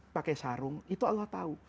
pakai sarung itu allah tahu